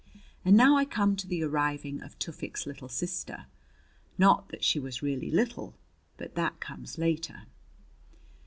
And now I come to the arriving of Tufik's little sister not that she was really little. But that comes later.